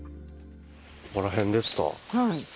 ここら辺ですか？